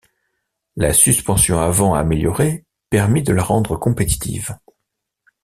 La suspension avant améliorée permit de la rendre compétitive.